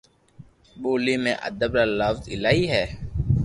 ٻولي ۾ ادب را لفظ ايلائي ھي